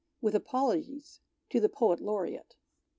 With apologies to the Poet Laureate.